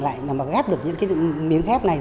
lại mà ghép được những cái miếng ghép này